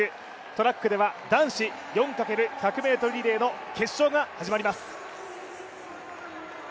トラックでは男子４×１００ｍリレー決勝が始まります。